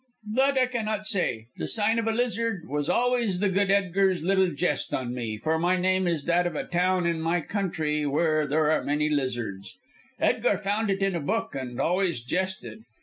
"That I cannot say. The sign of a lizard was always the good Edgar's little jest on me. For my name is that of a town in my country where there are many lizards. Edgar found it in a book and always jested.